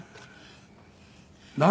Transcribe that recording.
何？